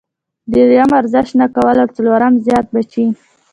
دريم ورزش نۀ کول او څلورم زيات بچي -